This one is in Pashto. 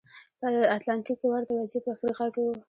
په اتلانتیک کې ورته وضعیت په افریقا کې و.